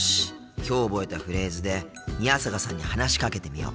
きょう覚えたフレーズで宮坂さんに話しかけてみよう。